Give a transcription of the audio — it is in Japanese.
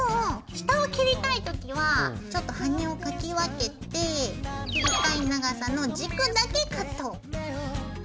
下を切りたい時はちょっと羽根をかき分けて切りたい長さの軸だけカット。